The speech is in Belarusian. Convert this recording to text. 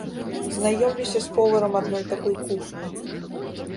Знаёмлюся з поварам адной такой кухні.